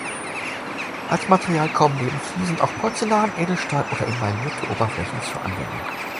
Als Material kommen neben Fliesen auch Porzellan-, Edelstahl- oder emaillierte Oberflächen zur Anwendung.